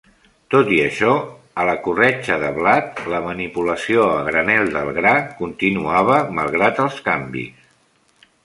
Tot i això, a la corretja de blat, la manipulació a granel del gra continuava malgrat els canvis.